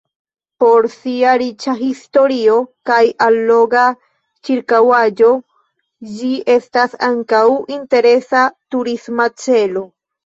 Por sia riĉa historio kaj alloga ĉirkaŭaĵo ĝi estas ankaŭ interesa turisma celo.